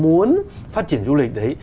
muốn phát triển du lịch đấy